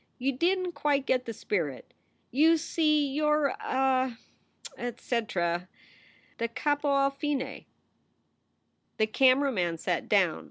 You didn t quite get the spirit. You see you re a" etc., da capo alfine. The camera man sat down.